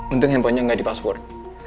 untung handphonenya gak di password